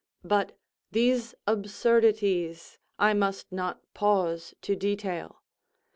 But these absurdities I must not pause to detail.